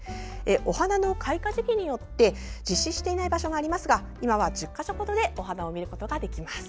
お花の開花時期によって実施していない場所がありますが今は１０か所程でお花を見ることができます。